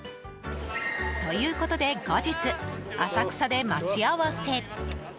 ということで後日、浅草で待ち合わせ。